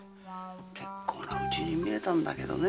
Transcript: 結構な家に見えたんだけどね。